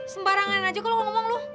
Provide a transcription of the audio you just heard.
sembarangan aja kok lu ngomong lu